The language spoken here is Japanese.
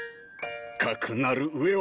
かくなる上は！